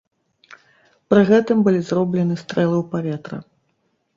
Пры гэтым былі зроблены стрэлы ў паветра.